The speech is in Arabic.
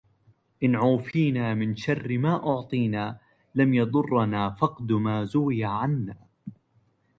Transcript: إنْ عُوفِينَا مِنْ شَرِّ مَا أُعْطِينَا لَمْ يَضُرَّنَا فَقْدُ مَا زُوِيَ عَنَّا